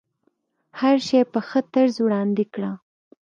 هر شی په ښه طرز وړاندې کړه.